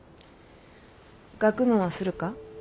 学問はするか？